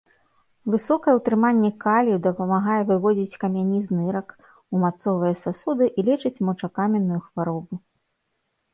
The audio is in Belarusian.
Высокае ўтрыманне калію дапамагае выводзіць камяні з нырак, умацоўвае сасуды і лечыць мочакаменную хваробу.